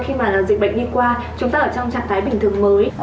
khi mà dịch bệnh đi qua chúng ta ở trong trạng thái bình thường mới